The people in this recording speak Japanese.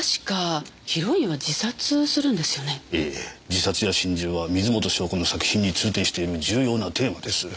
自殺や心中は水元湘子の作品に通底している重要なテーマです。